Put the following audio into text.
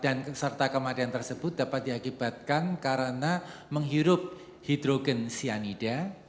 dan sakit serta kematian tersebut dapat diakibatkan karena menghirup hidrogen cyanida